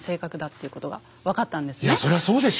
いやそりゃそうでしょ。